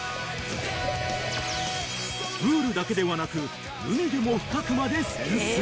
［プールだけではなく海でも深くまで潜水］